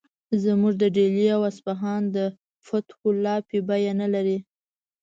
زموږ د ډیلي او اصفهان د فتحو لاپې بیه نه لري.